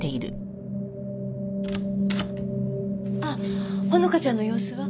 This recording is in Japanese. あっ穂花ちゃんの様子は？